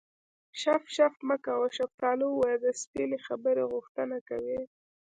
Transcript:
شف شف مه کوه شفتالو ووایه د سپینې خبرې غوښتنه کوي